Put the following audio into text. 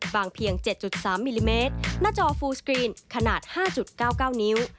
เพียง๗๓มิลลิเมตรหน้าจอฟูสกรีนขนาด๕๙๙นิ้ว